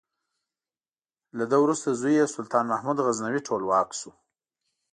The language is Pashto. له ده وروسته زوی یې سلطان محمود غزنوي ټولواک شو.